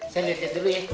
saya liat liat dulu ya